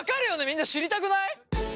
みんな知りたくない？